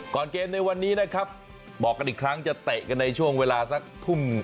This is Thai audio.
เกมในวันนี้นะครับบอกกันอีกครั้งจะเตะกันในช่วงเวลาสักทุ่ม